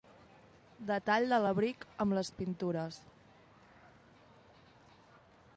Detall de l'abric amb les pintures.